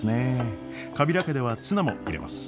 カビラ家ではツナも入れます。